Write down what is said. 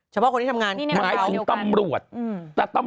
เฉพาะคนที่ทำงานหมายถึงตำรวจ